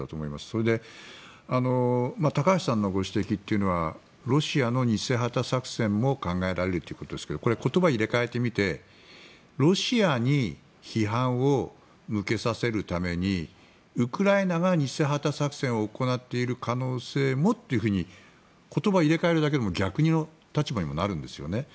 それで高橋さんのご指摘というのはロシアの偽旗作戦も考えられるということですがこれ、言葉を入れ替えてみてロシアに批判を向けさせるためにウクライナが偽旗作戦を行っている可能性もと言葉を入れ替えるだけでも逆の立場にもなるんですよね。